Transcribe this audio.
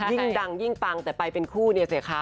ยิ่งดังยิ่งปังแต่ไปเป็นคู่เนี่ยสิคะ